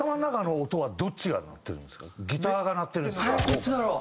どっちだろう？